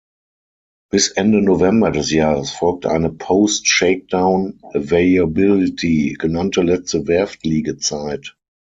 Bis Ende November des Jahres folgte eine "post shakedown availability" genannte letzte Werftliegezeit.